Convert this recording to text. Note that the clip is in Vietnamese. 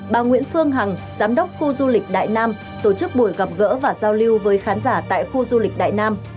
bà nguyễn phương hằng giám đốc khu du lịch đại nam tổ chức buổi gặp gỡ và giao lưu với khán giả tại khu du lịch đại nam